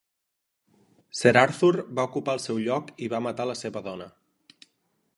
Sir Arthur va ocupar el seu lloc i va matar la seva dona.